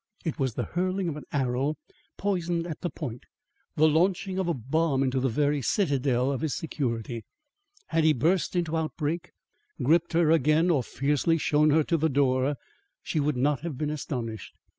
It was the hurling of an arrow poisoned at the point; the launching of a bomb into the very citadel of his security. Had he burst into outbreak gripped her again or fiercely shown her the door, she would not have been astonished.